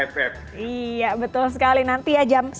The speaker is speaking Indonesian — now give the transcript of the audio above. sebentar lagi mau nonton final aff